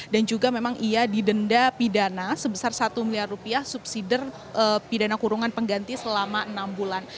dan juga memang ia didenda pidana sebesar satu miliar rupiah subsidi pidana kurungan pengganti selama enam bulan